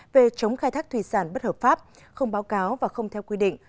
về chống khai thác thủy sản bất hợp pháp không báo cáo và không theo quy định